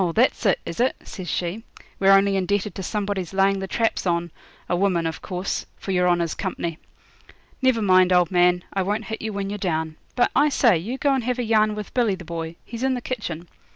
that's it, is it?' says she; 'we're only indebted to somebody's laying the traps on a woman of course for your honour's company. Never mind, old man, I won't hit you when you're down. But, I say, you go and have a yarn with Billy the Boy he's in the kitchen.